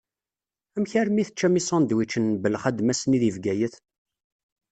Amek armi teččam isandwičen n Belxadem ass-nni deg Bgayet?